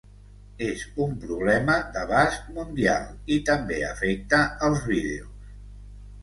És un problema d’abast mundial i també afecta els vídeos.